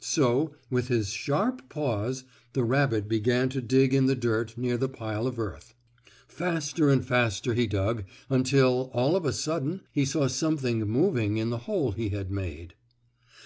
So, with his sharp paws, the rabbit began to dig in the dirt near the pile of earth. Faster and faster he dug until, all of a sudden, he saw something moving in the hole he had made.